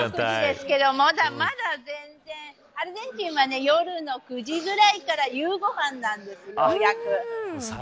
夜の９時ですけどまだまだ全然アルゼンチンは夜の９時ぐらいから夕ご飯なんです。